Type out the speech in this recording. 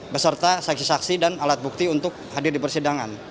beserta saksi saksi dan alat bukti untuk hadir di persidangan